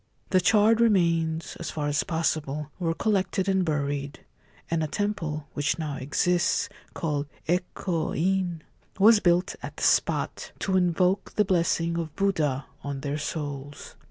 The charred remains (as far as possible) were collected and buried, and a temple (which now exists), called 4 Eko In,' was built at the spot, to invoke the blessing of Buddha on their souls.